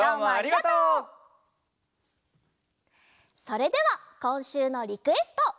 それではこんしゅうのリクエスト！